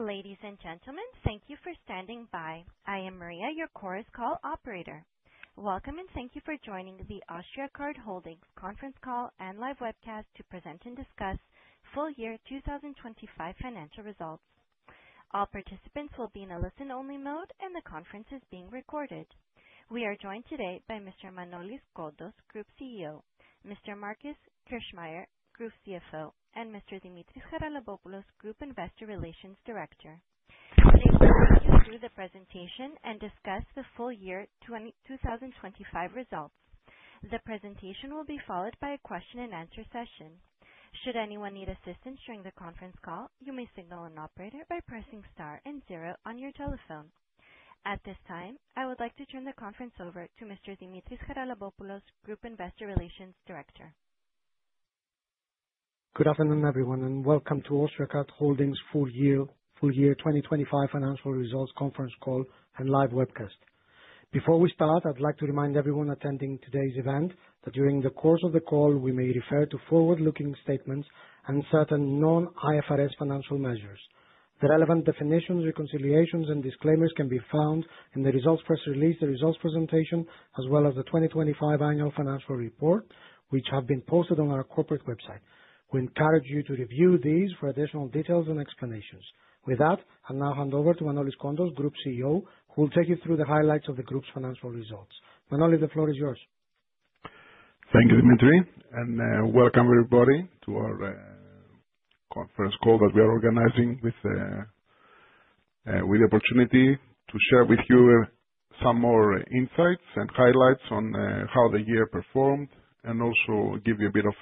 Ladies and gentlemen, thank you for standing by. I am Maria, your Chorus Call operator. Welcome, and thank you for joining the AUSTRIACARD HOLDINGS conference call and live webcast to present and discuss full year 2025 financial results. All participants will be in a listen-only mode, and the conference is being recorded. We are joined today by Mr. Emmanouil Kontos, Group CEO, Mr. Markus Kirchmayr, Group CFO, Mr. Dimitris Haralabopoulos, Group Investor Relations Director. They will take you through the presentation and discuss the full year 2025 results. The presentation will be followed by a question and answer session. Should anyone need assistance during the conference call, you may signal an operator by pressing star and zero on your telephone. At this time, I would like to turn the conference over to Mr. Dimitris Haralabopoulos, Group Investor Relations Director. Good afternoon, everyone, and welcome to AUSTRIACARD HOLDINGS Full Year 2025 Financial Results Conference Call and Live Webcast. Before we start, I'd like to remind everyone attending today's event that during the course of the call, we may refer to forward-looking statements and certain non-IFRS financial measures. The relevant definitions, reconciliations, and disclaimers can be found in the results press release, the results presentation, as well as the 2025 annual financial report, which have been posted on our corporate website. We encourage you to review these for additional details and explanations. With that, I'll now hand over to Emmanouil Kontos, Group CEO, who will take you through the highlights of the group's financial results. Manolis, the floor is yours. Thank you, Dimitri, and welcome everybody to our conference call that we are organizing with the opportunity to share with you some more insights and highlights on how the year performed and also give you a bit of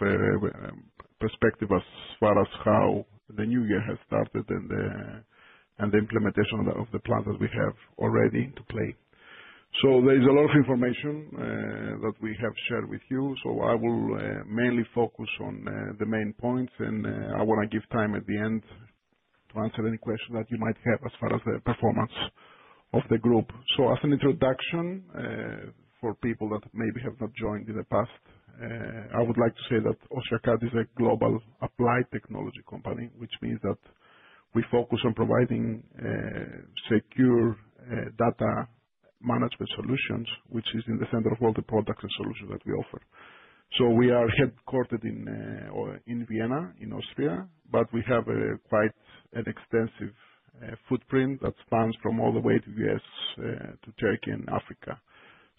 perspective as far as how the new year has started and the implementation of the plans that we have already into play. There is a lot of information that we have shared with you. I will mainly focus on the main points, and I want to give time at the end to answer any questions that you might have as far as the performance of the group. As an introduction, for people that maybe have not joined in the past, I would like to say that AUSTRIACARD is a global applied technology company, which means that we focus on providing secure data management solutions, which is in the center of all the products and solutions that we offer. We are headquartered in Vienna, in Austria, but we have quite an extensive footprint that spans from all the way to U.S. to Turkey, and Africa.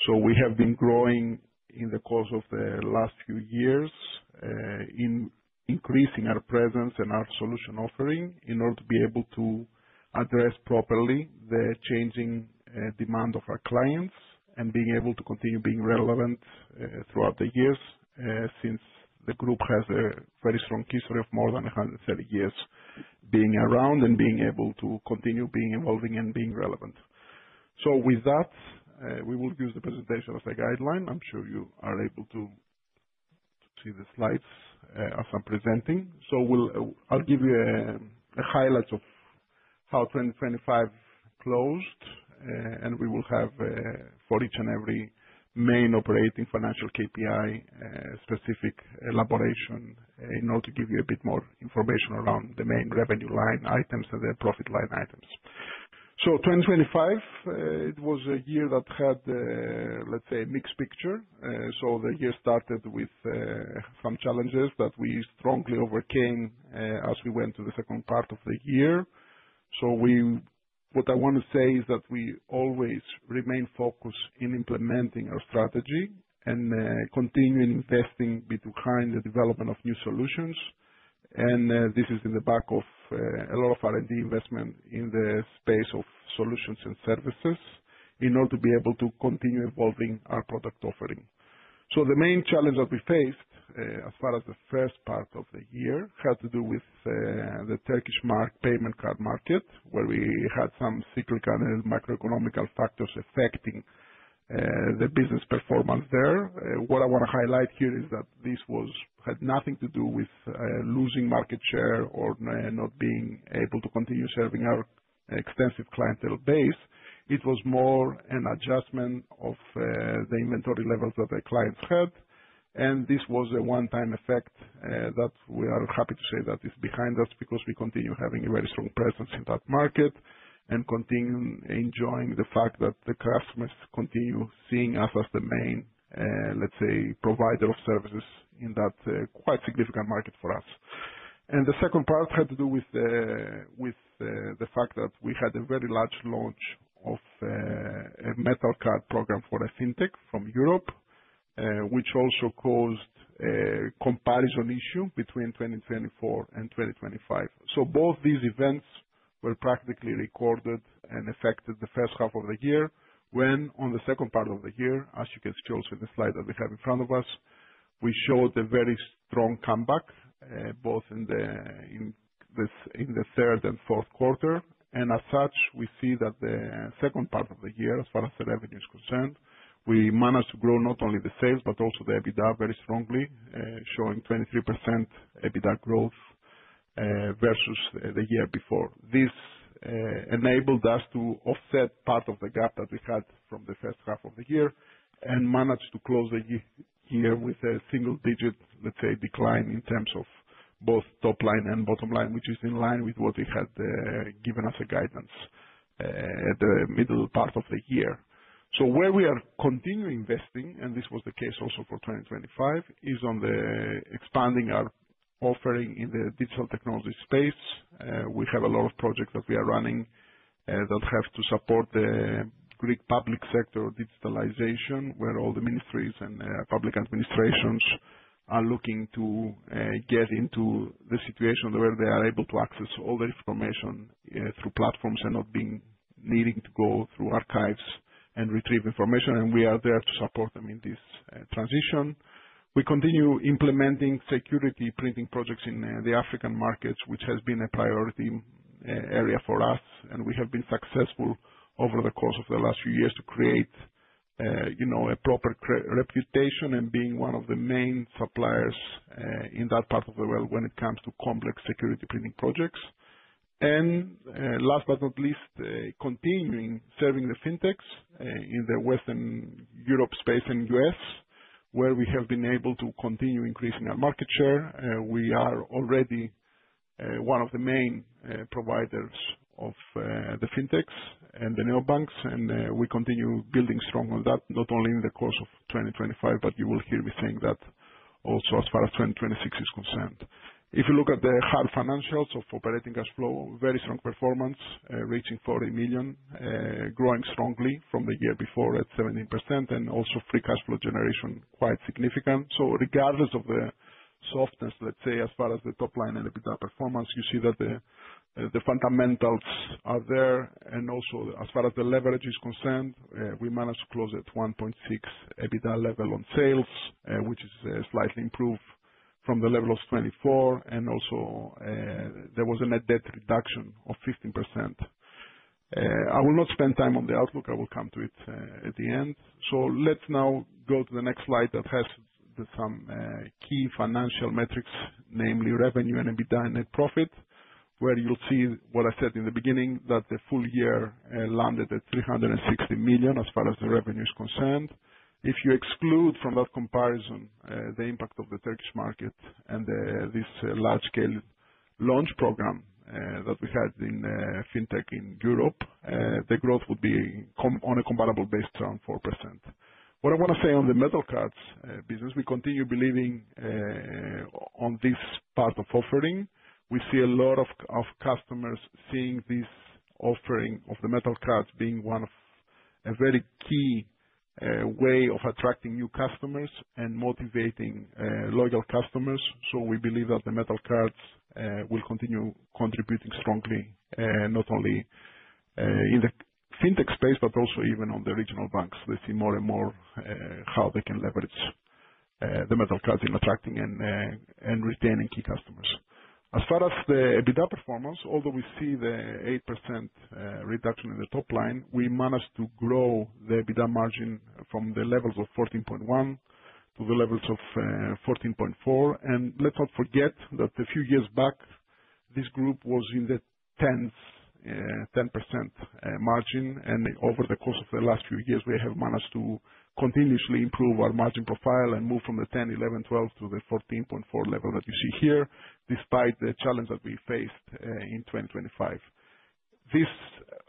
We have been growing in the course of the last few years, increasing our presence and our solution offering in order to be able to address properly the changing demand of our clients and being able to continue being relevant throughout the years, since the group has a very strong history of more than 130 years being around and being able to continue being evolving and being relevant. With that, we will use the presentation as a guideline. I'm sure you are able to see the slides as I'm presenting. I'll give you highlights of how 2025 closed, and we will have, for each and every main operating financial KPI, specific elaboration in order to give you a bit more information around the main revenue line items and the profit line items. 2025, it was a year that had, let's say, a mixed picture. The year started with some challenges that we strongly overcame as we went to the second part of the year. What I want to say is that we always remain focused in implementing our strategy and continue investing behind the development of new solutions. This is in the back of a lot of R&D investment in the space of solutions and services in order to be able to continue evolving our product offering. The main challenge that we faced, as far as the first part of the year, had to do with the Turkish payment card market, where we had some cyclical and macroeconomic factors affecting the business performance there. What I want to highlight here is that this had nothing to do with losing market share or not being able to continue serving our extensive clientele base. It was more an adjustment of the inventory levels that the clients had, and this was a one-time effect that we are happy to say that is behind us because we continue having a very strong presence in that market and continue enjoying the fact that the customers continue seeing us as the main provider of services in that quite significant market for us. The second part had to do with the fact that we had a very large launch of a metal card program for a fintech from Europe, which also caused a comparison issue between 2024 and 2025. Both these events were practically recorded and affected the first half of the year, when on the second part of the year, as you can see also the slide that we have in front of us, we showed a very strong comeback, both in the third and fourth quarter. As such, we see that the second part of the year, as far as the revenue is concerned, we managed to grow not only the sales but also the EBITDA very strongly, showing 23% EBITDA growth versus the year before. This enabled us to offset part of the gap that we had from the first half of the year and managed to close the year with a single-digit decline in terms of both top line and bottom line, which is in line with what we had given as a guidance at the middle part of the year. Where we are continuing investing, and this was the case also for 2025, is on the expanding our offering in the digital technology space. We have a lot of projects that we are running that have to support the Greek public sector digitalization, where all the ministries and public administrations are looking to get into the situation where they are able to access all the information through platforms and not needing to go through archives and retrieve information. We are there to support them in this transition. We continue implementing security printing projects in the African markets, which has been a priority area for us, and we have been successful over the course of the last few years to create a proper reputation and being one of the main suppliers in that part of the world when it comes to complex security printing projects. Last but not least, continuing serving the fintechs in the Western Europe space and U.S., where we have been able to continue increasing our market share. We are already one of the main providers of the fintechs and the neobanks, and we continue building strong on that, not only in the course of 2025, but you will hear me saying that also as far as 2026 is concerned. If you look at the hard financials of operating cash flow, very strong performance, reaching 40 million, growing strongly from the year before at 17%, and also free cash flow generation, quite significant. Regardless of the softness, let's say, as far as the top line and EBITDA performance, you see that the fundamentals are there. As far as the leverage is concerned, we managed to close at 1.6 EBITDA level on sales, which is a slight improve from the level of 2024. There was a net debt reduction of 15%. I will not spend time on the outlook. I will come to it at the end. Let's now go to the next slide that has some key financial metrics, namely revenue and EBITDA net profit, where you'll see what I said in the beginning, that the full year landed at 360 million as far as the revenue is concerned. If you exclude from that comparison the impact of the Turkish market and this large-scale launch program that we had in fintech in Europe, the growth would be on a comparable base, around 4%. What I want to say on the metal cards business, we continue believing on this part of offering. We see a lot of customers seeing this offering of the metal cards being one of a very key way of attracting new customers and motivating loyal customers. We believe that the metal cards will continue contributing strongly, not only in the fintech space, but also even on the regional banks. We see more and more how they can leverage the metal cards in attracting and retaining key customers. As far as the EBITDA performance, although we see the 8% reduction in the top line, we managed to grow the EBITDA margin from the levels of 14.1 to the levels of 14.4. Let's not forget that a few years back, this group was in the 10% margin. Over the course of the last few years, we have managed to continuously improve our margin profile and move from the 10, 11, 12 to the 14.4 level that you see here, despite the challenge that we faced in 2025. This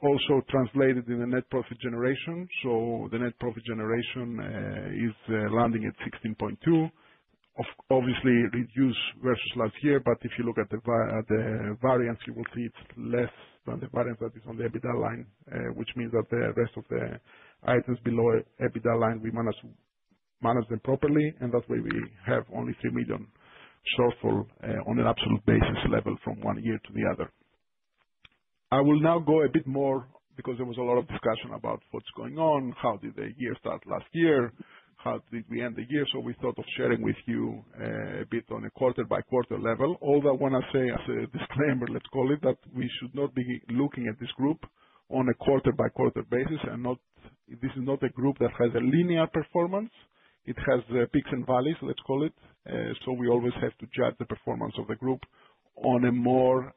also translated in the net profit generation. The net profit generation is landing at 16.2, obviously reduced versus last year. If you look at the variance, you will see it's less than the variance that is on the EBITDA line, which means that the rest of the items below EBITDA line, we managed them properly, and that's why we have only 3 million shortfall on an absolute basis level from one year to the other. I will now go a bit more, because there was a lot of discussion about what's going on, how did the year start last year? How did we end the year? We thought of sharing with you a bit on a quarter-by-quarter level. I want to say as a disclaimer, let's call it, that we should not be looking at this group on a quarter-by-quarter basis, and this is not a group that has a linear performance. It has peaks and valleys, let's call it. We always have to judge the performance of the group on a more,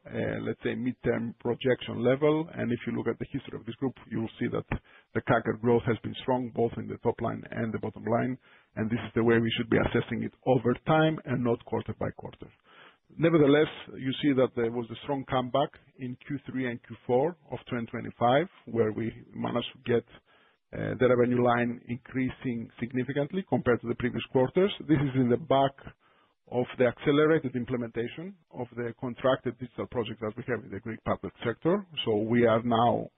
let's say, midterm projection level. If you look at the history of this group, you will see that the CAGR growth has been strong both in the top line and the bottom line, and this is the way we should be assessing it over time and not quarter-by-quarter. Nevertheless, you see that there was a strong comeback in Q3 and Q4 of 2025, where we managed to get the revenue line increasing significantly compared to the previous quarters. This is in the back of the accelerated implementation of the contracted digital projects that we have in the Greek public sector. We are now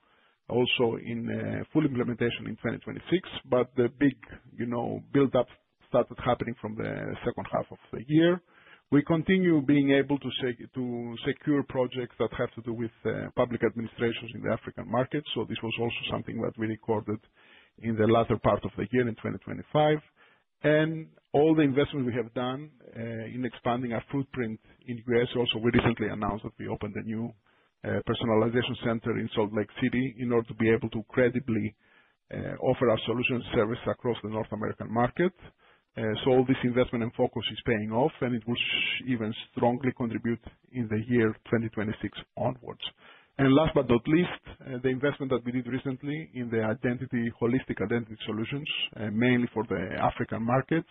also in full implementation in 2026. The big buildup started happening from the second half of the year. We continue being able to secure projects that have to do with public administrations in the African market. This was also something that we recorded in the latter part of the year in 2025. All the investments we have done in expanding our footprint in U.S. Also, we recently announced that we opened a new personalization center in Salt Lake City in order to be able to credibly offer our solutions service across the North American market. All this investment and focus is paying off, and it will even strongly contribute in the year 2026 onwards. Last but not least, the investment that we did recently in the holistic identity solutions, mainly for the African markets.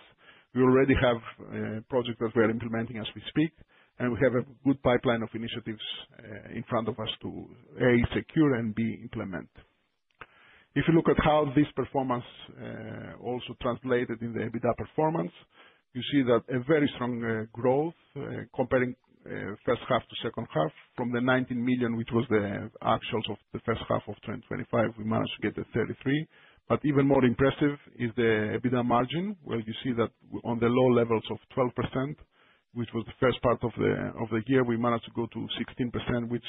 We already have projects that we are implementing as we speak, and we have a good pipeline of initiatives in front of us to: (a) secure, and (b) implement. If you look at how this performance also translated in the EBITDA performance, you see that a very strong growth comparing first half to second half. From the 19 million, which was the actuals of the first half of 2025, we managed to get to 33 million. Even more impressive is the EBITDA margin, where you see that on the low levels of 12%, which was the first part of the year, we managed to go to 16%, which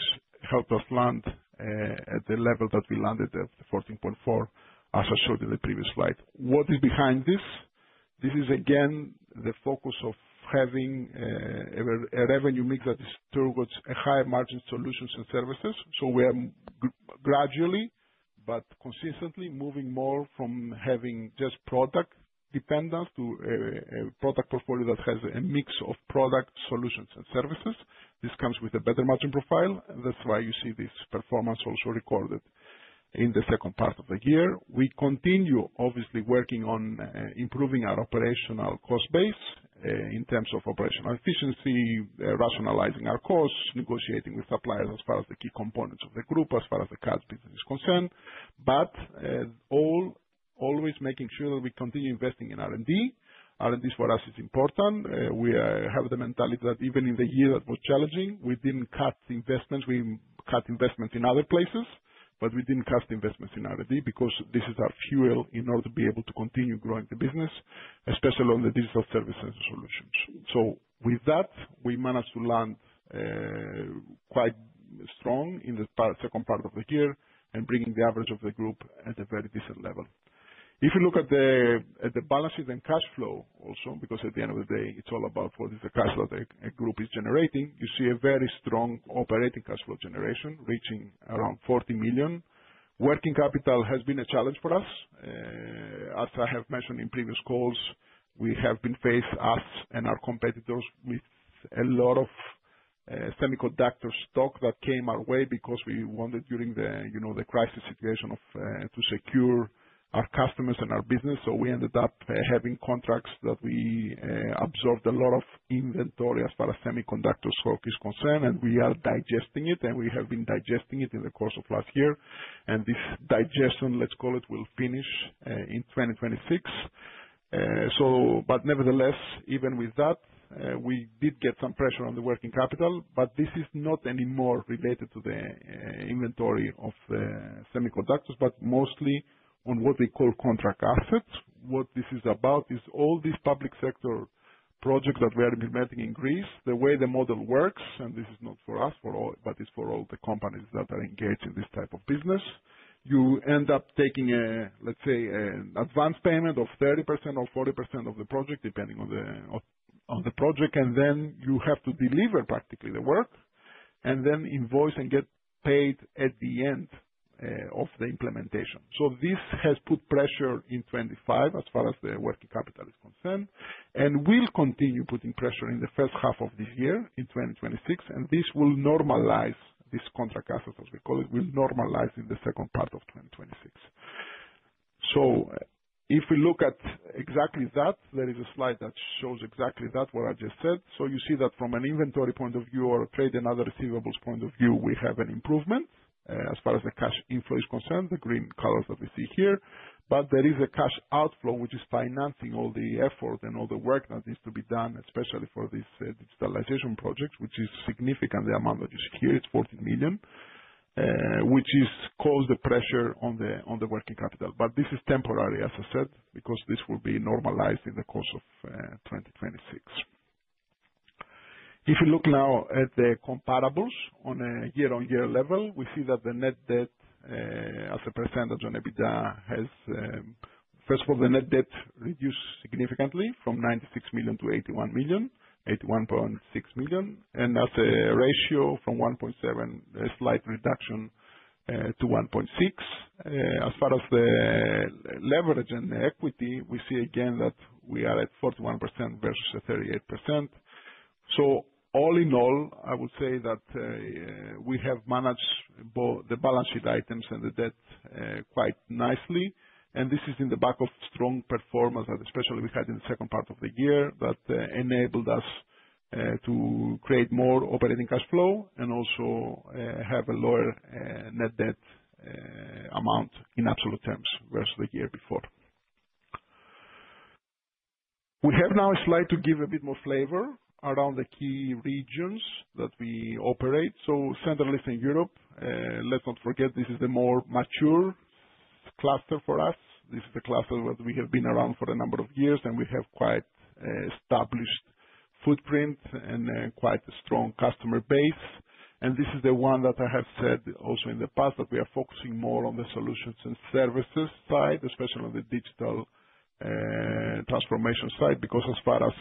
helped us land at the level that we landed at, 14.4%, as I showed in the previous slide. What is behind this? This is again, the focus of having a revenue mix with higher margin solutions and services so when gradually but consistently moving more from having just product dependence to a product portfolio that has a mix of product solutions and services. This comes with a better margin profile. That's why you see this performance also recorded in the second part of the year. We continue obviously working on improving our operational cost base in terms of operational efficiency, rationalizing our costs, negotiating with suppliers as far as the key components of the group, as far as the CaaS business is concerned, but always making sure that we continue investing in R&D. R&D for us is important. We have the mentality that even in the year that was challenging, we didn't cut investments. We cut investments in other places, but we didn't cut investments in R&D because this is our fuel in order to be able to continue growing the business, especially on the digital services solutions. With that, we managed to land quite strong in the second part of the year and bringing the average of the group at a very decent level. If you look at the balances and cash flow also, because at the end of the day, it's all about what is the cash flow the group is generating. You see a very strong operating cash flow generation reaching around 40 million. Working capital has been a challenge for us. As I have mentioned in previous calls, we have been faced, us and our competitors, with a lot of semiconductor stock that came our way because we wanted, during the crisis situation, to secure our customers and our business. We ended up having contracts that we absorbed a lot of inventory as far as semiconductor stock is concerned, and we are digesting it, and we have been digesting it in the course of last year. This digestion, let's call it, will finish in 2026. But nevertheless, even with that, we did get some pressure on the working capital, but this is not anymore related to the inventory of the semiconductors, but mostly on what we call contract assets. What this is about is all these public sector projects that we are implementing in Greece, the way the model works, and this is not for us, but it's for all the companies that are engaged in this type of business. You end up taking, let's say, an advance payment of 30% or 40% of the project, depending on the project, and then you have to deliver practically the work and then invoice and get paid at the end of the implementation. This has put pressure in 2025 as far as the working capital is concerned and will continue putting pressure in the first half of this year, in 2026. This will normalize, this contract assets, as we call it, will normalize in the second part of 2026. If we look at exactly that, there is a slide that shows exactly that, what I just said. You see that from an inventory point of view or trade and other receivables point of view, we have an improvement as far as the cash inflow is concerned, the green colors that we see here. There is a cash outflow which is financing all the effort and all the work that needs to be done, especially for this digitalization project, which is significant. The amount that is here, it is 40 million, which has caused the pressure on the working capital. This is temporary, as I said, because this will be normalized in the course of 2026. If you look now at the comparables on a year-over-year level, we see that the net debt as a percentage on EBITDA. First of all, the net debt reduced significantly from 96 million to 81 million, 81.6 million, and as a ratio from 1.7, a slight reduction to 1.6. As far as the leverage and the equity, we see again that we are at 41% versus 38%. All in all, I would say that we have managed both the balance sheet items and the debt quite nicely, and this is in the back of strong performance, especially we had in the second part of the year, that enabled us to create more operating cash flow and also have a lower net debt amount in absolute terms versus the year before. We have now a slide to give a bit more flavor around the key regions that we operate. Central Eastern Europe, let's not forget, this is the more mature cluster for us. This is the cluster that we have been around for a number of years, and we have quite established footprint and quite a strong customer base. This is the one that I have said also in the past, that we are focusing more on the solutions and services side, especially on the digital transformation side, because as far as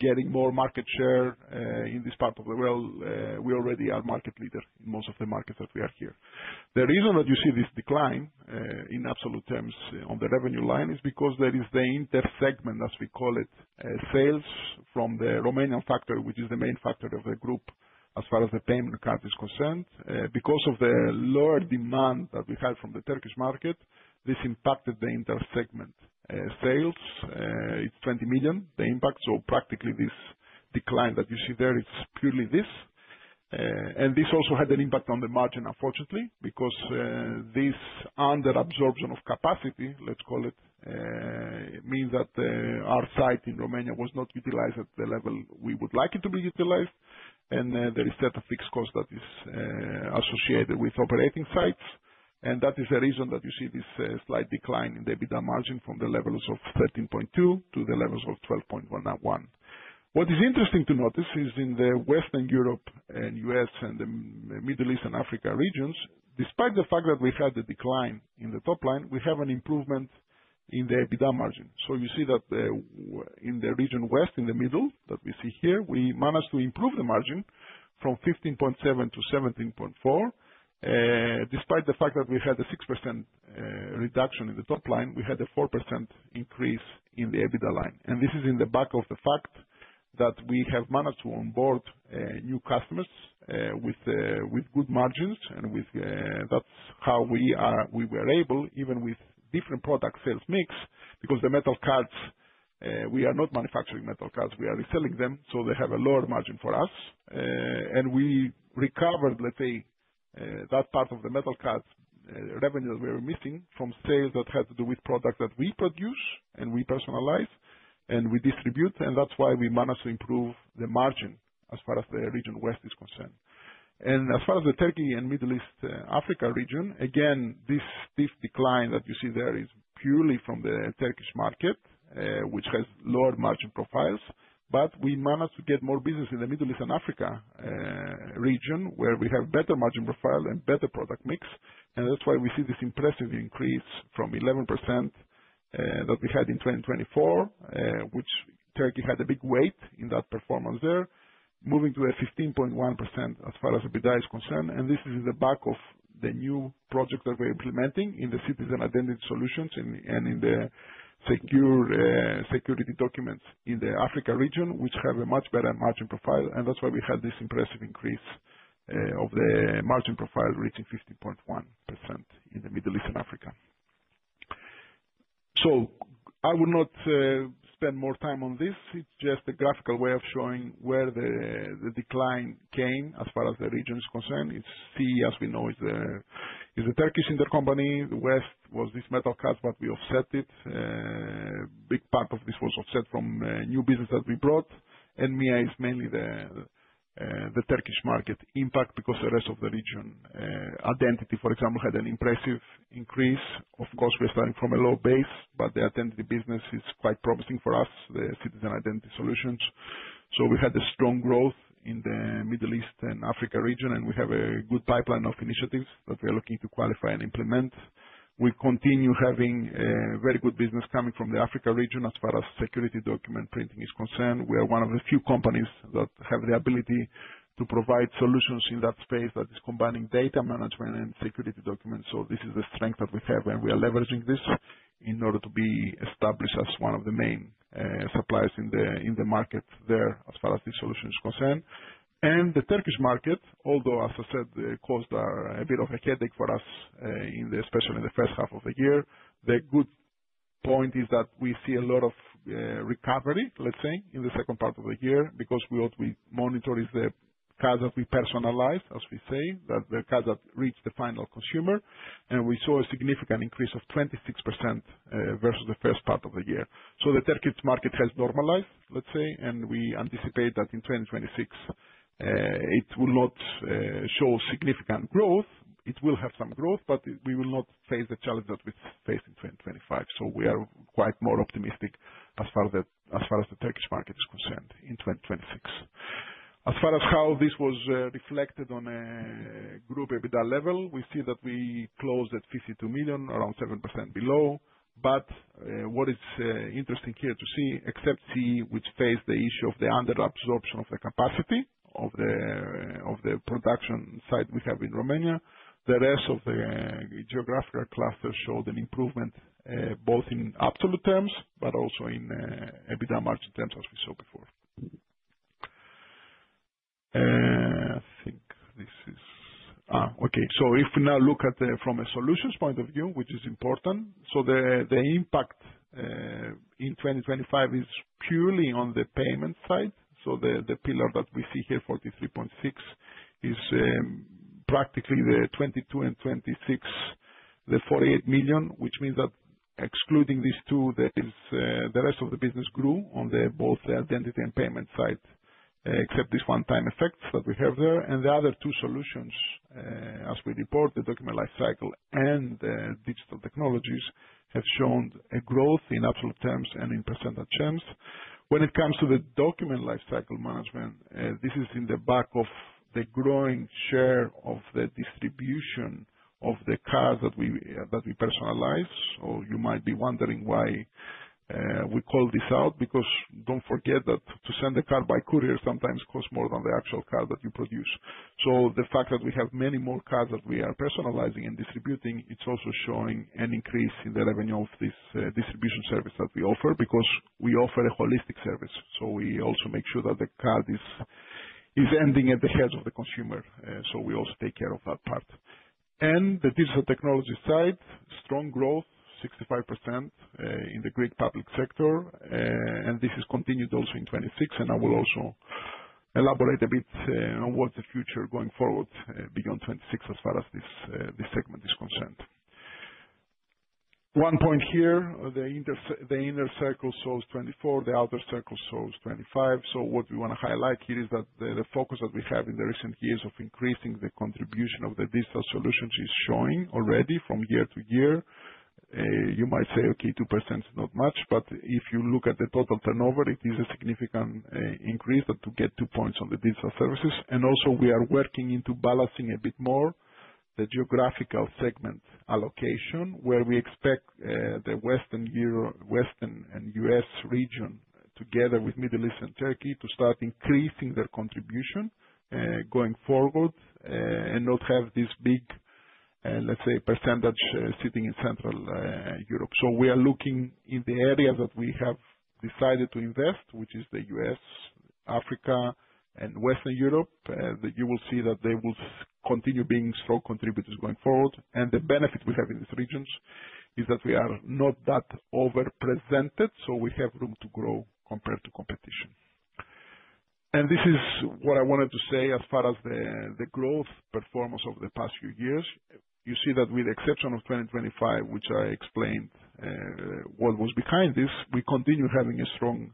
getting more market share in this part of the world, we already are market leader in most of the markets that we are here. The reason that you see this decline in absolute terms on the revenue line is because there is the inter-segment, as we call it, sales from the Romanian factory, which is the main factory of the group. As far as the payment card is concerned, because of the lower demand that we had from the Turkish market, this impacted the intersegment. Sales, it's 20 million, the impact. Practically this decline that you see there is purely this. This also had an impact on the margin, unfortunately, because this under-absorption of capacity, let's call it, means that our site in Romania was not utilized at the level we would like it to be utilized. There is still a fixed cost that is associated with operating sites. That is the reason that you see this slight decline in the EBITDA margin from the levels of 13.2% to the levels of 12.1% now. What is interesting to notice is in the Western Europe and U.S. and the Middle East and Africa regions, despite the fact that we've had a decline in the top line, we have an improvement in the EBITDA margin. You see that in the region West, in the middle, that we see here, we managed to improve the margin from 15.7% to 17.4%. Despite the fact that we had a 6% reduction in the top line, we had a 4% increase in the EBITDA line. This is in the back of the fact that we have managed to onboard new customers with good margins, and that's how we were able, even with different product sales mix, because the metal cards, we are not manufacturing metal cards, we are reselling them, so they have a lower margin for us. We recovered, let's say, that part of the metal card revenue we were missing from sales that had to do with product that we produce and we personalize and we distribute, and that's why we managed to improve the margin as far as the region West is concerned. As far as the Turkey and Middle East and Africa region, again, this steep decline that you see there is purely from the Turkish market, which has lower margin profiles, but we managed to get more business in the Middle East and Africa region, where we have better margin profile and better product mix. That's why we see this impressive increase from 11% that we had in 2024, which Turkey had a big weight in that performance there, moving to a 15.1% as far as EBITDA is concerned. This is in the back of the new project that we're implementing in the citizen identity solutions and in the security documents in the Africa region, which have a much better margin profile. That's why we had this impressive increase of the margin profile reaching 15.1% in the Middle East and Africa. I will not spend more time on this. It's just a graphical way of showing where the decline came as far as the region is concerned. It's CE, as we know, is the Turkish intercompany. The West was this metal card, but we offset it. A big part of this was offset from new business that we brought. MEA is mainly the Turkish market impact because the rest of the region, identity, for example, had an impressive increase. Of course, we're starting from a low base, but the Identity business is quite promising for us, the citizen identity solutions. We had a strong growth in the Middle East and Africa region, and we have a good pipeline of initiatives that we're looking to qualify and implement. We continue having a very good business coming from the Africa region as far as security document printing is concerned. We are one of the few companies that have the ability to provide solutions in that space that is combining data management and security documents. This is the strength that we have, and we are leveraging this in order to be established as one of the main suppliers in the market there as far as this solution is concerned. The Turkish market, although, as I said, caused a bit of a headache for us, especially in the first half of the year. The good point is that we see a lot of recovery, let's say, in the second part of the year because what we monitor is the cards that we personalize, as we say, the cards that reach the final consumer. We saw a significant increase of 26% versus the first part of the year. The Turkish market has normalized, let's say, and we anticipate that in 2026, it will not show significant growth. It will have some growth, but we will not face the challenge that we faced in 2025. We are quite more optimistic as far as the Turkish market is concerned in 2026. As far as how this was reflected on a group EBITDA level, we see that we closed at 52 million, around 7% below. What is interesting here to see, except CE, which faced the issue of the under-absorption of the capacity of the production site we have in Romania, the rest of the geographical cluster showed an improvement, both in absolute terms, but also in EBITDA margin terms as we saw before. I think this is okay. If we now look at from a solutions point of view, which is important. The impact in 2025 is purely on the payment side. The pillar that we see here, 43.6%, is practically the 22% and 26%, the 48 million, which means that excluding these two, the rest of the business grew on both the identity and payment side, except this one-time effect that we have there. The other two solutions, as we report, the document lifecycle and digital technologies, have shown a growth in absolute terms and in percentage terms. When it comes to the document lifecycle management, this is in the back of the growing share of the distribution of the card that we personalize. You might be wondering why we call this out, because don't forget that to send a card by courier sometimes costs more than the actual card that you produce. The fact that we have many more cards that we are personalizing and distributing, it's also showing an increase in the revenue of this distribution service that we offer, because we offer a holistic service. We also make sure that the card is ending at the hands of the consumer. We also take care of that part. The digital technology side, strong growth, 65% in the Greek public sector. This has continued also in 2026, and I will also elaborate a bit on what the future going forward beyond 2026, as far as this segment is concerned. One point here, the inner circle shows 2024, the outer circle shows 2025. What we want to highlight here is that the focus that we have in the recent years of increasing the contribution of the digital solutions is showing already from year-to-year. You might say, okay, 2% is not much, but if you look at the total turnover, it is a significant increase, but to get two points on the digital services. Also we are working into balancing a bit more the geographical segment allocation, where we expect the Western and U.S. region together with Middle East and Turkey to start increasing their contribution, going forward, and not have this big, let's say, percentage sitting in Central Europe. We are looking in the areas that we have decided to invest, which is the U.S., Africa, and Western Europe, that you will see that they will continue being strong contributors going forward. The benefit we have in these regions is that we are not that over-represented, so we have room to grow compared to competition. This is what I wanted to say as far as the growth performance over the past few years. You see that with the exception of 2025, which I explained what was behind this, we continue having a strong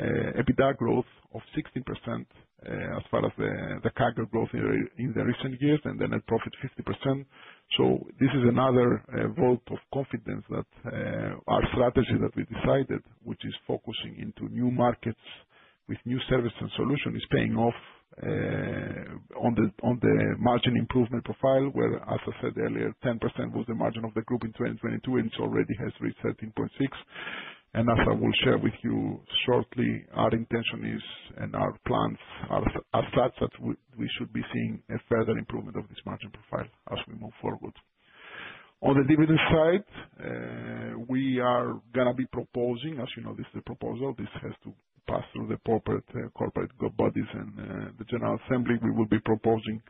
EBITDA growth of 16%, as far as the CAGR growth in the recent years, and net profit 15%. This is another vote of confidence that our strategy that we decided, which is focusing into new markets with new services and solution, is paying off on the margin improvement profile, where, as I said earlier, 10% was the margin of the group in 2022, and it already has reached 13.6%. As I will share with you shortly, our intention is, and our plans are such that we should be seeing a further improvement of this margin profile as we move forward. On the dividend side, we are going to be proposing, as you know, this is a proposal. This has to pass through the corporate bodies and the general assembly. We will be proposing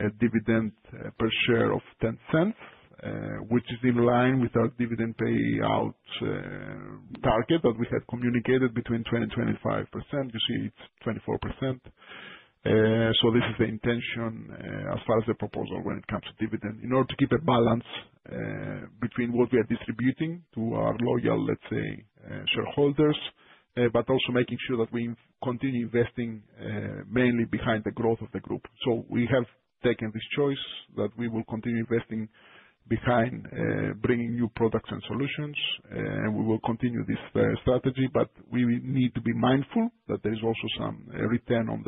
a dividend per share of 0.10, which is in line with our dividend payout target that we had communicated between 20%-25%. You see it's 24%. This is the intention as far as the proposal when it comes to dividend. In order to keep a balance between what we are distributing to our loyal, let's say, shareholders, but also making sure that we continue investing mainly behind the growth of the group. We have taken this choice that we will continue investing behind bringing new products and solutions, and we will continue this strategy, but we need to be mindful that there is also some return on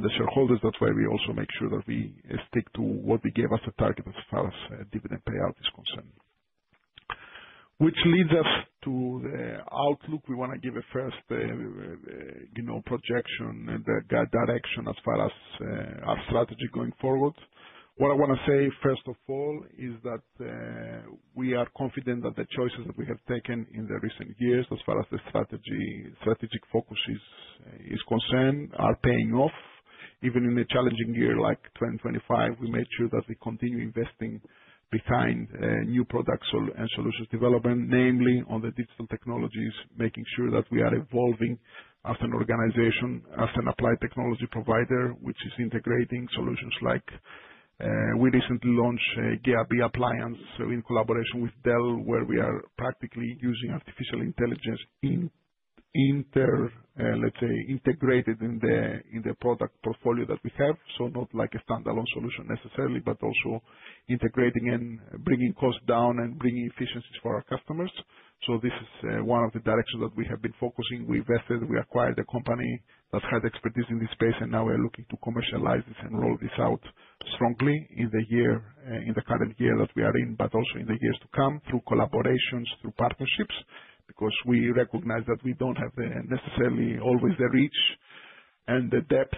the shareholders. That is why we also make sure that we stick to what we gave as a target as far as dividend payout is concerned. Which leads us to the outlook. We want to give a first projection and the direction as far as our strategy going forward. What I want to say, first of all, is that we are confident that the choices that we have taken in the recent years as far as the strategic focus is concerned, are paying off. Even in a challenging year like 2025, we made sure that we continue investing behind new products and solutions development, namely on the digital technologies, making sure that we are evolving as an organization, as an applied technology provider, which is integrating solutions like we recently launched a GaiaB Appliance in collaboration with Dell, where we are practically using artificial intelligence, let's say, integrated in the product portfolio that we have. Not like a standalone solution necessarily, but also integrating and bringing costs down and bringing efficiencies for our customers. This is one of the directions that we have been focusing. We invested, we acquired a company that had expertise in this space. Now we are looking to commercialize this and roll this out strongly in the current year that we are in, but also in the years to come through collaborations, through partnerships, because we recognize that we don't have necessarily always the reach and the depth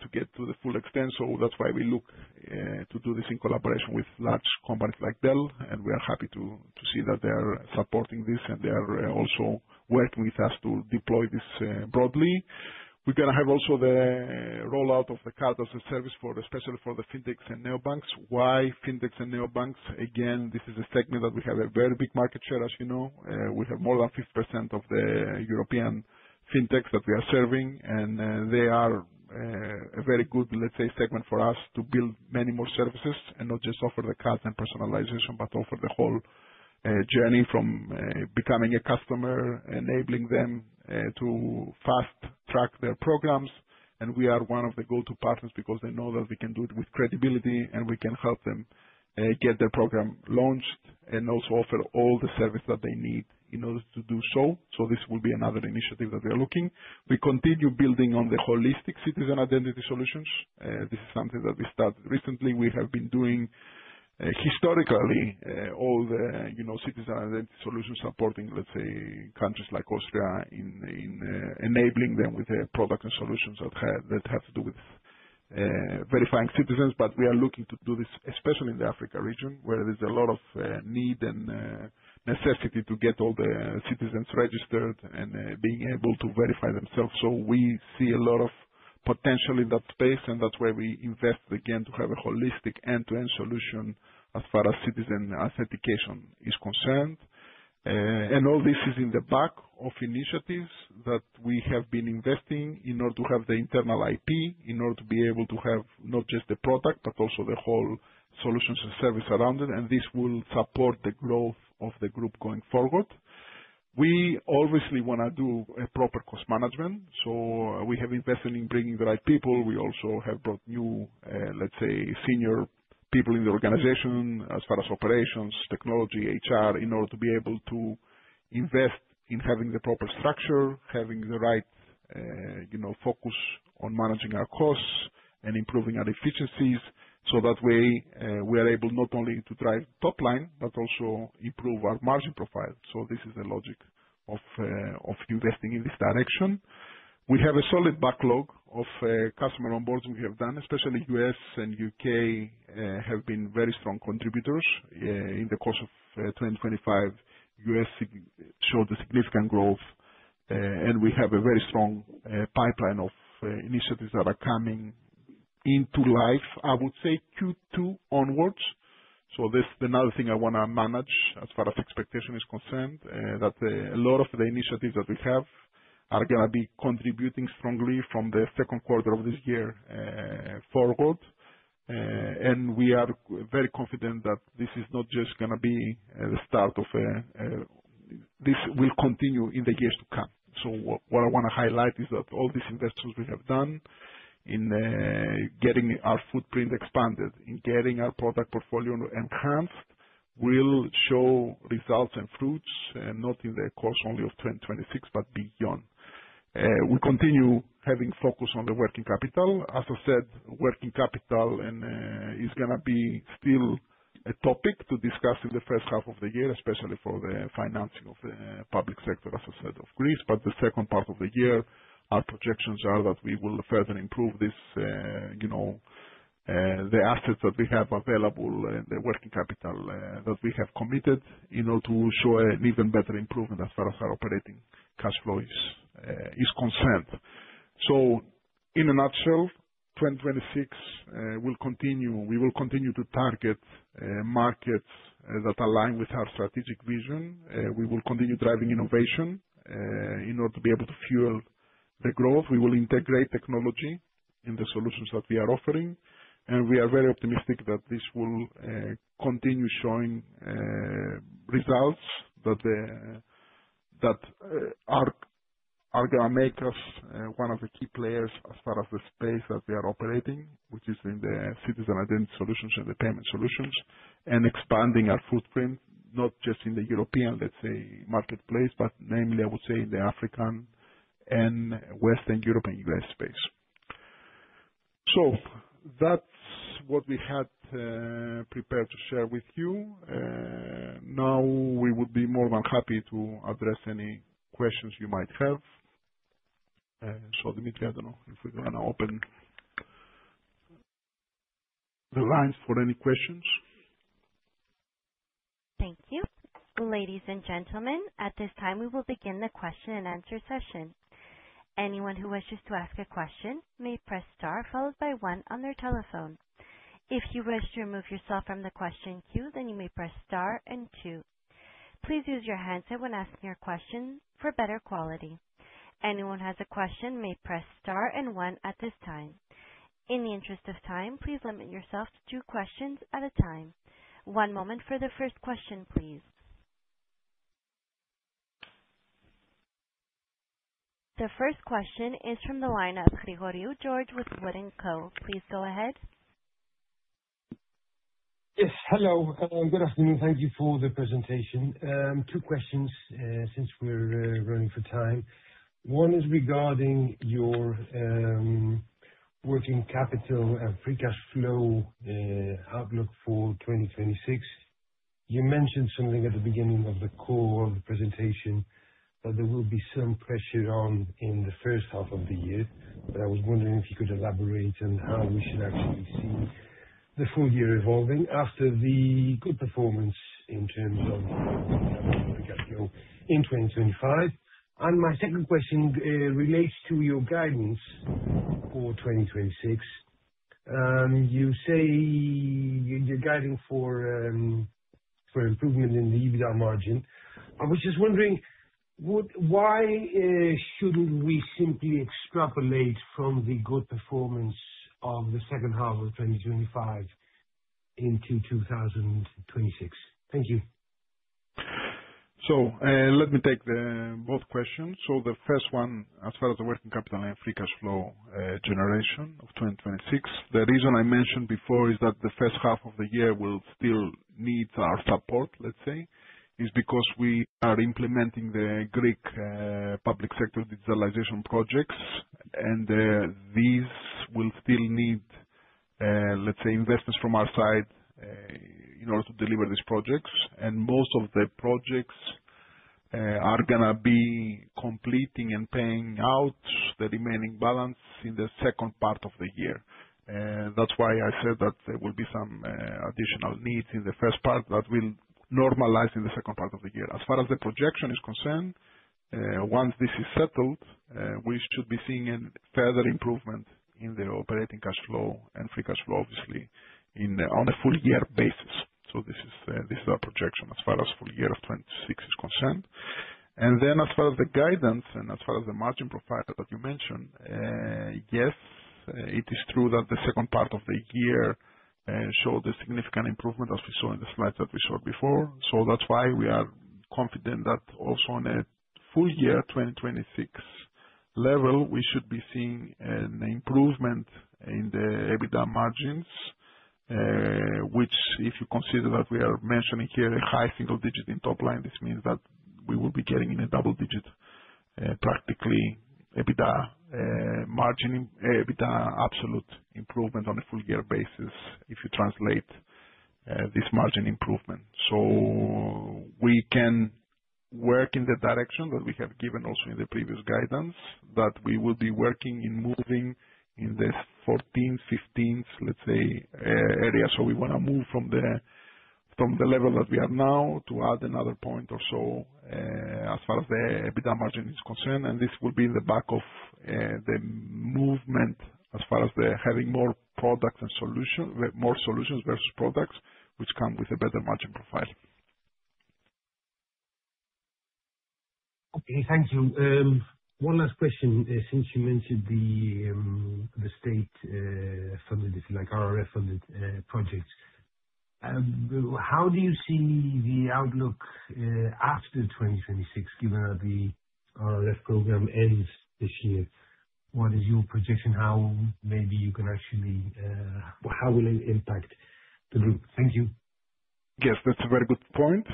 to get to the full extent. That's why we look to do this in collaboration with large companies like Dell, and we are happy to see that they are supporting this and they are also working with us to deploy this broadly. We're going to have also the rollout of the card-as-a-service especially for the fintechs and neobanks. Why fintechs and neobanks? Again, this is a segment that we have a very big market share, as you know. We have more than 50% of the European fintechs that we are serving. They are a very good, let's say, segment for us to build many more services and not just offer the card and personalization, but offer the whole journey from becoming a customer, enabling them to fast-track their programs. We are one of the go-to partners because they know that we can do it with credibility and we can help them get their program launched and also offer all the service that they need in order to do so. This will be another initiative that we are looking. We continue building on the holistic citizen identity solutions. This is something that we started recently. We have been doing historically, all the citizen identity solutions supporting, let's say, countries like Austria in enabling them with their product and solutions that have to do with verifying citizens. We are looking to do this, especially in the Africa region, where there's a lot of need and necessity to get all the citizens registered and being able to verify themselves. We see a lot of potential in that space, and that's where we invest, again, to have a holistic end-to-end solution as far as citizen authentication is concerned. All this is in the back of initiatives that we have been investing in order to have the internal IP, in order to be able to have not just the product, but also the whole solutions and service around it, and this will support the growth of the group going forward. We obviously want to do a proper cost management, so we have invested in bringing the right people. We also have brought new, let's say, senior people in the organization as far as operations, technology, HR, in order to be able to invest in having the proper structure, having the right focus on managing our costs and improving our efficiencies, that way, we are able not only to drive top line but also improve our margin profile. This is the logic of investing in this direction. We have a solid backlog of customer onboarding we have done, especially U.S. and U.K. have been very strong contributors. In the course of 2025, U.S. showed a significant growth, and we have a very strong pipeline of initiatives that are coming into life, I would say Q2 onwards. That's another thing I want to manage as far as expectation is concerned, that a lot of the initiatives that we have are going to be contributing strongly from the second quarter of this year forward. We are very confident that this is not just going to be the start. This will continue in the years to come. What I want to highlight is that all these investments we have done in getting our footprint expanded, in getting our product portfolio enhanced, will show results and fruits, not in the course only of 2026, but beyond. We continue having focus on the working capital. As I said, working capital is going to be still a topic to discuss in the first half of the year, especially for the financing of the public sector, as I said, of Greece. The second part of the year, our projections are that we will further improve the assets that we have available and the working capital that we have committed in order to show an even better improvement as far as our operating cash flow is concerned. In a nutshell, 2026, we will continue to target markets that align with our strategic vision. We will continue driving innovation in order to be able to fuel the growth. We will integrate technology in the solutions that we are offering. We are very optimistic that this will continue showing results that are going to make us one of the key players as far as the space that we are operating, which is in the citizen identity solutions and the payment solutions. Expanding our footprint, not just in the European, let's say, marketplace, but mainly, I would say, in the African and Western European U.S. space. That's what we had prepared to share with you. Now, we would be more than happy to address any questions you might have. Dimitri, I don't know if we're going to open the lines for any questions. Thank you. Ladies and gentlemen, at this time, we will begin the question and answer session. Anyone who wishes to ask a question may press star, followed by one on their telephone. If you wish to remove yourself from the question queue, then you may press star and two. Please use your handset when asking your question for better quality. Anyone who has a question may press star and one at this time. In the interest of time, please limit yourself to two questions at a time. One moment for the first question, please. The first question is from the line of George Georgiou with Wood & Company. Please go ahead. Yes. Hello. Good afternoon. Thank you for the presentation. Two questions, since we're running for time. One is regarding your working capital and free cash flow outlook for 2026. You mentioned something at the beginning of the core of the presentation that there will be some pressure on in the first half of the year, but I was wondering if you could elaborate on how we should actually see the full year evolving after the good performance in terms of free cash flow in 2025. My second question relates to your guidance for 2026. I was just wondering, why shouldn't we simply extrapolate from the good performance of the second half of 2025 into 2026? Thank you. Let me take both questions. The first one, as far as the working capital and free cash flow generation of 2026, the reason I mentioned before is that the first half of the year will still need our support, let's say. It's because we are implementing the Greek public sector digitalization projects. These will still need, let's say, investments from our side in order to deliver these projects. Most of the projects are going to be completing and paying out the remaining balance in the second part of the year. That's why I said that there will be some additional needs in the first part that will normalize in the second part of the year. As far as the projection is concerned, once this is settled, we should be seeing a further improvement in the operating cash flow and free cash flow, obviously, on a full year basis. This is our projection as far as full year of 2026 is concerned. As far as the guidance and as far as the margin profile that you mentioned, yes, it is true that the second part of the year showed a significant improvement as we saw in the slides that we showed before. That's why we are confident that also on a full year 2026 level, we should be seeing an improvement in the EBITDA margins, which if you consider that we are mentioning here a high single digit in top line, this means that we will be getting in a double digit, practically EBITDA absolute improvement on a full year basis if you translate this margin improvement. We can work in the direction that we have given also in the previous guidance, but we will be working in moving in the 14%, 15%, let's say, area. We want to move from the level that we are now to add another point or so, as far as the EBITDA margin is concerned, and this will be in the back of the movement as far as they're having more solutions versus products, which come with a better margin profile. Okay. Thank you. One last question, since you mentioned the state funded, like RRF funded projects. How do you see the outlook after 2026, given that the RRF program ends this year? What is your projection? How will it impact the group? Thank you. Yes, that's a very good point.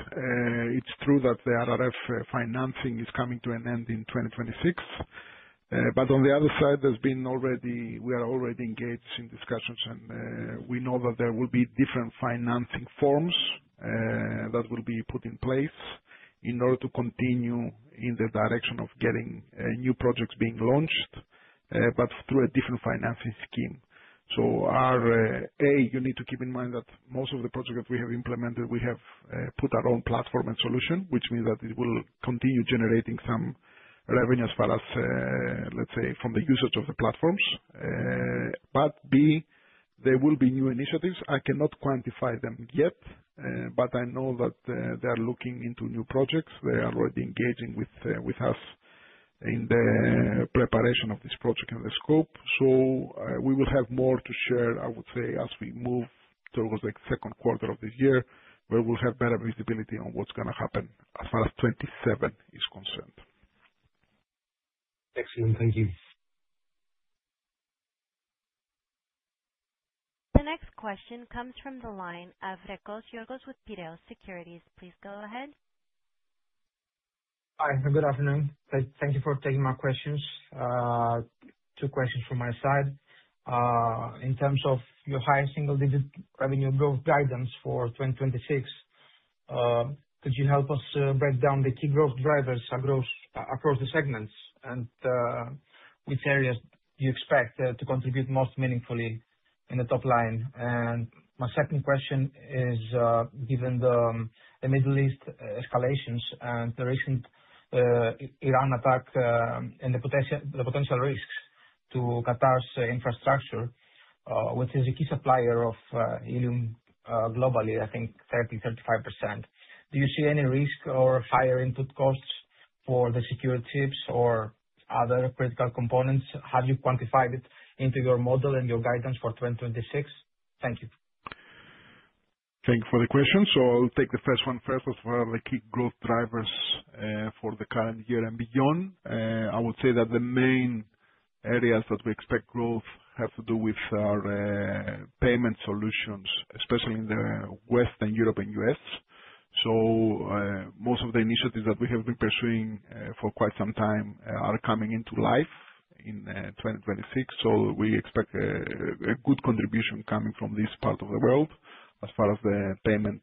It's true that the RRF financing is coming to an end in 2026. But, on the other side, we are already engaged in discussions and we know that there will be different financing forms that will be put in place in order to continue in the direction of getting new projects being launched, but through a different financing scheme. A, you need to keep in mind that most of the projects we have implemented, we have put our own platform and solution, which means that it will continue generating some revenue as far as, let's say, from the usage of the platforms. B, there will be new initiatives. I cannot quantify them yet, but I know that they are looking into new projects. They are already engaging with us in the preparation of this project and the scope. We will have more to share, I would say, as we move towards the second quarter of the year, where we'll have better visibility on what's going to happen as far as 2027 is concerned. Excellent. Thank you. The next question comes from the line of Georgios Rekos with Piraeus Securities. Please go ahead. Hi, good afternoon. Thank you for taking my questions. Two questions from my side. In terms of your high single digit revenue growth guidance for 2026, could you help us break down the key growth drivers across the segments, and which areas do you expect to contribute most meaningfully in the top line? My second question is, given the Middle East escalations and the recent Iran attack, and the potential risks to Qatar's infrastructure, which is a key supplier of helium globally, I think 30%-35%. Do you see any risk or higher input costs for the secured chips or other critical components? Have you quantified it into your model and your guidance for 2026? Thank you. Thank you for the question. I'll take the first one first. As far as the key growth drivers for the current year and beyond, I would say that the main areas that we expect growth have to do with our payment solutions, especially in the Western Europe and U.S. Most of the initiatives that we have been pursuing for quite some time are coming into life in 2026. We expect a good contribution coming from this part of the world as far as the payment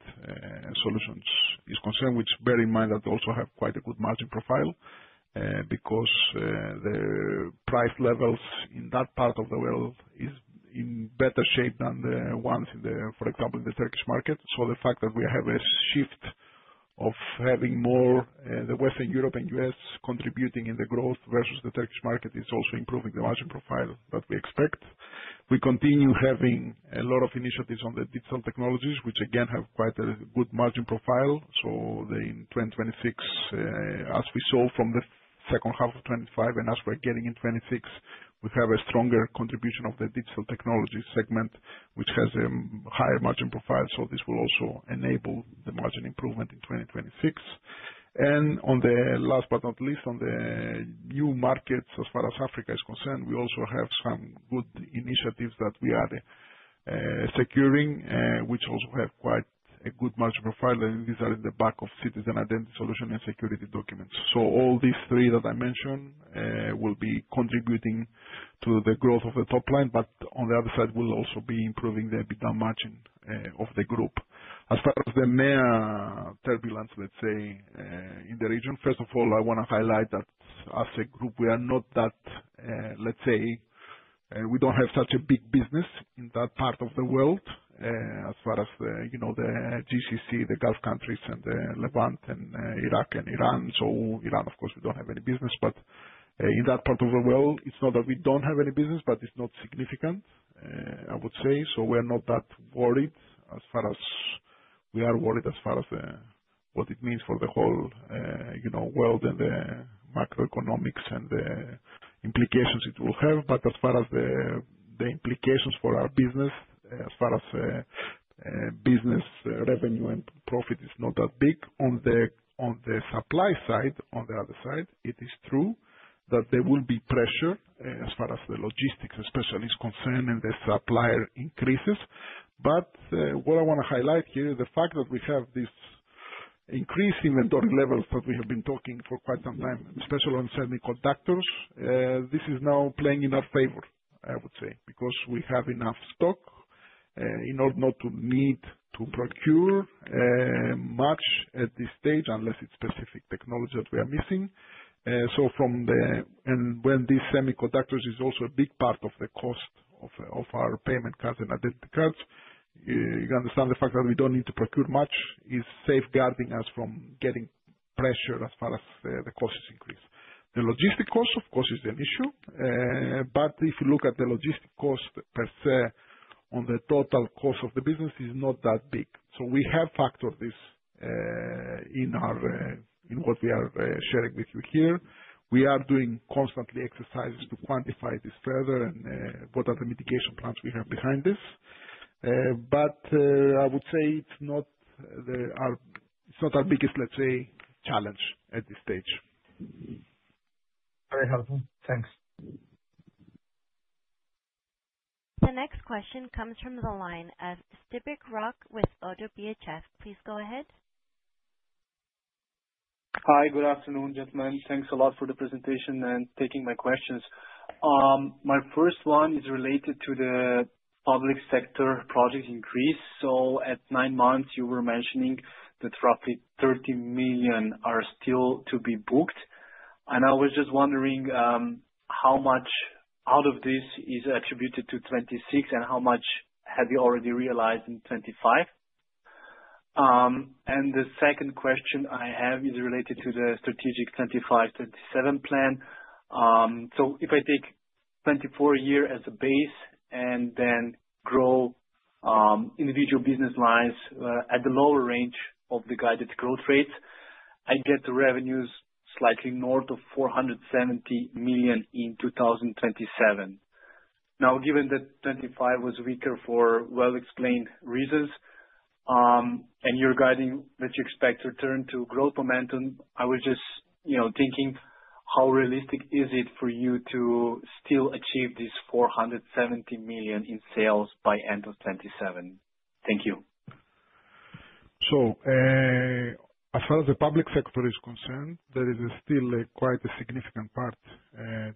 solutions is concerned, which bear in mind that also have quite a good margin profile, because the price levels in that part of the world is in better shape than the ones in the, for example, the Turkish market. The fact that we have a shift of having more, the Western Europe and U.S. contributing in the growth versus the Turkish market, is also improving the margin profile that we expect. We continue having a lot of initiatives on the digital technologies, which again have quite a good margin profile. In 2026, as we saw from the second half of 2025, and as we're getting in 2026, we have a stronger contribution of the digital technology segment, which has a higher margin profile. This will also enable the margin improvement in 2026. On the last but not least, on the new markets, as far as Africa is concerned, we also have some good initiatives that we are securing, which also have quite a good margin profile, and these are in the back of citizen identity solution and security documents. So all these three that I mentioned will be contributing to the growth of the top line, but on the other side will also be improving the EBITDA margin of the group. As far as the MEA turbulence, let's say, in the region, first of all, I want to highlight that as a group, we don't have such a big business in that part of the world, as far as the GCC, the Gulf countries and the Levant and Iraq and Iran. Iran, of course, we don't have any business, but in that part of the world, it's not that we don't have any business, but it's not significant, I would say. We're not that worried. We are worried as far as what it means for the whole world and the macroeconomics and the implications it will have. As far as the implications for our business, as far as business revenue and profit, it's not that big. On the supply side, on the other side, it is true that there will be pressure as far as the logistics especially is concerned and the supplier increases. What I want to highlight here is the fact that we have this increase inventory levels that we have been talking for quite some time, especially on semiconductors. This is now playing in our favor, I would say, because we have enough stock in order not to need to procure much at this stage, unless it's specific technology that we are missing. When these semiconductors is also a big part of the cost of our payment cards and identity cards, you understand the fact that we don't need to procure much is safeguarding us from getting pressure as far as the costs increase. The logistic cost, of course, is an issue. If you look at the logistic cost per se, on the total cost of the business, is not that big. We have factored this in what we are sharing with you here. We are doing constantly exercises to quantify this further and what are the mitigation plans we have behind this. I would say it's not our biggest, let's say, challenge at this stage. Very helpful. Thanks. The next question comes from the line of Stephan Brück with Oddo BHF. Please go ahead. Hi. Good afternoon, gentlemen. Thanks a lot for the presentation and taking my questions. My first one is related to the public sector project increase. At nine months, you were mentioning that roughly 30 million are still to be booked. I was just wondering, how much out of this is attributed to 2026 and how much have you already realized in 2025? The second question I have is related to the strategic 2025, 2027 plan. If I take 2024 year as a base and then grow individual business lines at the lower range of the guided growth rates, I get the revenues slightly north of 470 million in 2027. Given that 2025 was weaker for well-explained reasons, and you're guiding that you expect to return to growth momentum, I was just thinking, how realistic is it for you to still achieve this 470 million in sales by end of 2027? Thank you. As far as the public sector is concerned, there is still quite a significant part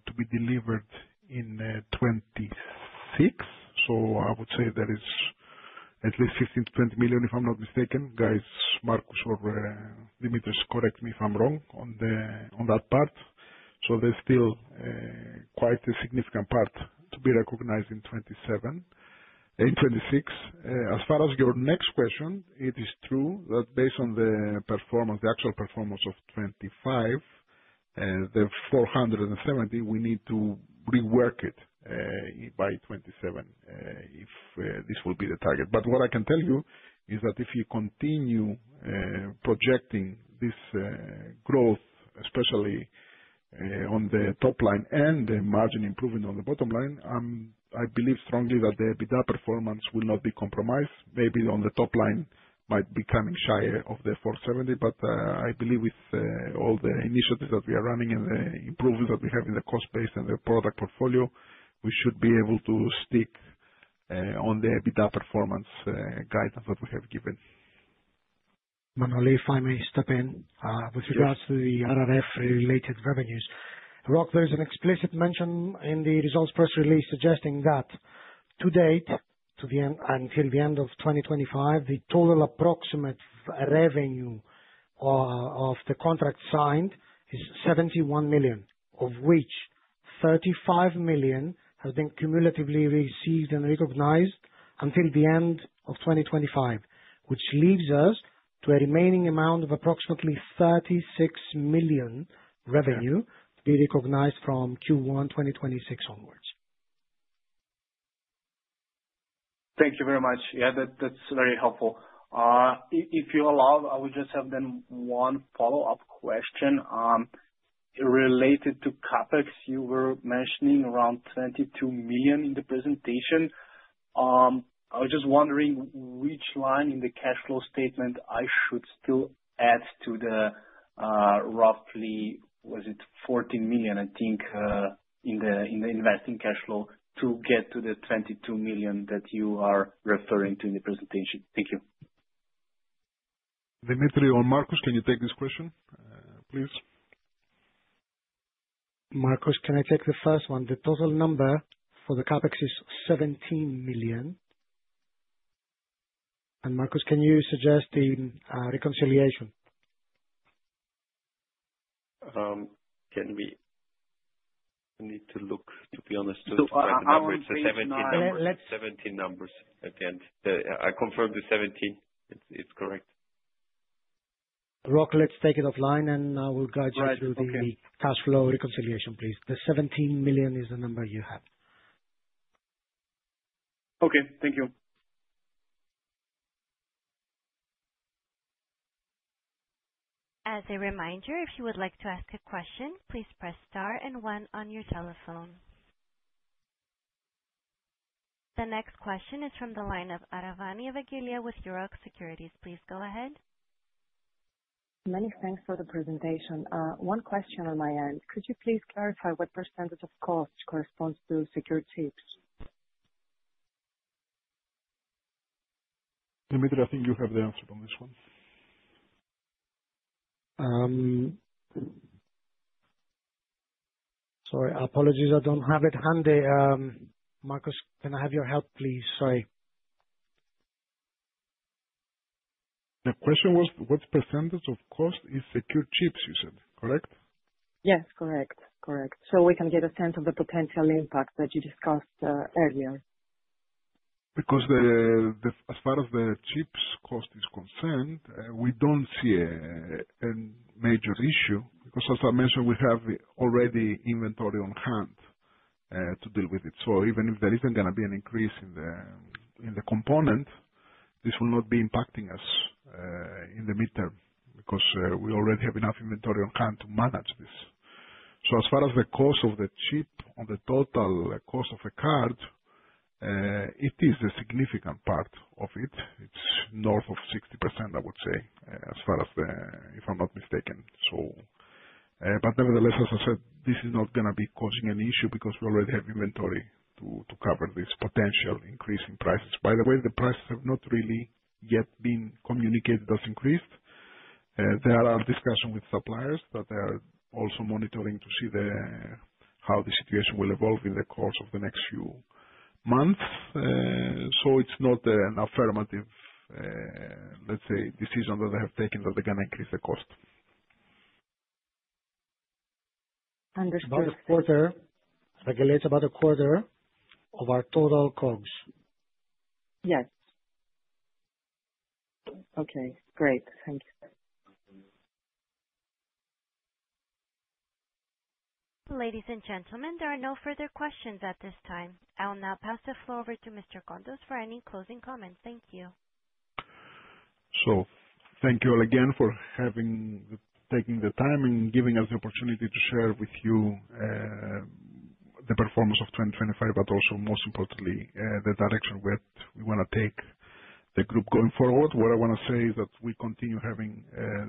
to be delivered in 2026. I would say there is at least 15 million-20 million, if I'm not mistaken. Guys, Markus or Dimitris, correct me if I'm wrong on that part. There's still quite a significant part to be recognized in 2026. As far as your next question, it is true that based on the actual performance of 2025, the 470 million, we need to rework it by 2027, if this will be the target. What I can tell you is that if you continue projecting this growth, especially on the top line and the margin improvement on the bottom line, I believe strongly that the EBITDA performance will not be compromised. Maybe on the top line might be coming shy of the 470 million. I believe with all the initiatives that we are running and the improvements that we have in the cost base and the product portfolio, we should be able to stick on the EBITDA performance guidance that we have given. Manoli, if I may step in. With regards to the RRF related revenues. Brück, there is an explicit mention in the results press release suggesting that to date, until the end of 2025, the total approximate revenue of the contract signed is 71 million, of which 35 million has been cumulatively received and recognized until the end of 2025. Which leaves us to a remaining amount of approximately 36 million revenue to be recognized from Q1 2026 onwards. Thank you very much. Yeah, that's very helpful. If you allow, I will just have one follow-up question. Related to CapEx, you were mentioning around 22 million in the presentation. I was just wondering which line in the cash flow statement I should still add to the roughly, was it 14 million, I think, in the investing cash flow to get to the 22 million that you are referring to in the presentation? Thank you. Dimitri or Markus, can you take this question, please? Markus, can I take the first one? The total number for the CapEx is 17 million. Markus, can you suggest the reconciliation? I need to look, to be honest with you. It's the 17 numbers at the end. I confirm the 17. Is correct. Bruck, let's take it offline and I will guide you through the cash flow reconciliation, please. The 17 million is the number you have. Okay. Thank you. As a reminder, if you would like to ask a question, please press star and one on your telephone. The next question is from the line of Evangelia Aravani with Euroxx Securities. Please go ahead. Many thanks for the presentation. One question on my end. Could you please clarify what percentage of cost corresponds to secure chips? Dimitris, I think you have the answer on this one. Sorry. Apologies, I don't have it handy. Markus, can I have your help, please? Sorry. The question was, what percentage of cost is secure chips, you said, correct? Yes, correct. We can get a sense of the potential impact that you discussed earlier. As far as the chips cost is concerned, we don't see a major issue because as I mentioned, we have already inventory on hand to deal with it. Even if there isn't going to be an increase in the component, this will not be impacting us in the midterm because we already have enough inventory on hand to manage this. As far as the cost of the chip on the total cost of the card, it is a significant part of it. It's north of 60%, I would say, if I'm not mistaken. Nevertheless, as I said, this is not going to be causing an issue because we already have inventory to cover this potential increase in prices. By the way, the prices have not really yet been communicated as increased. There are discussions with suppliers, but they are also monitoring to see how the situation will evolve in the course of the next few months. It's not an affirmative, let's say, decision that they have taken that they're going to increase the cost. Understood. About a quarter. Regulate about a quarter of our total costs. Yes. Okay, great. Thank you. Ladies and gentlemen, there are no further questions at this time. I'll now pass the floor over to Mr. Kontos for any closing comments. Thank you. Thank you all again for taking the time and giving us the opportunity to share with you the performance of 2025, but also most importantly, the direction which we want to take the group going forward. What I want to say is that we continue having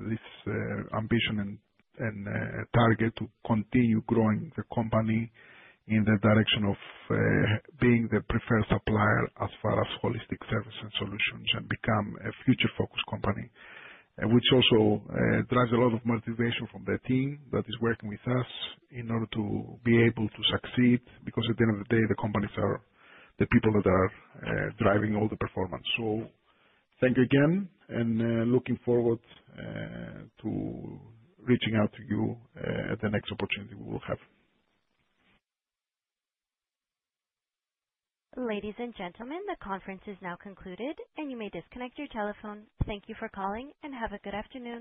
this ambition and target to continue growing the company in the direction of being the preferred supplier as far as holistic service and solutions and become a future-focused company. Which also drives a lot of motivation from the team that is working with us in order to be able to succeed, because at the end of the day, the companies are the people that are driving all the performance. So, thank you again and looking forward to reaching out to you at the next opportunity we will have. Ladies and gentlemen, the conference is now concluded, and you may disconnect your telephone. Thank you for calling, and have a good afternoon.